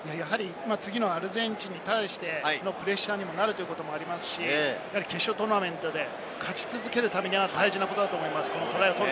次のアルゼンチンに対してのプレッシャーにもなるということにもなりますし、決勝トーナメントで勝ち続けるためには大事なことだと思います。